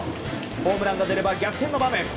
ホームランが出れば逆転の場面。